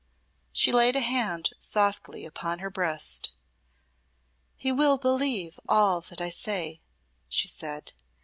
She laid a hand softly upon her breast. "He will believe all that I say," she said.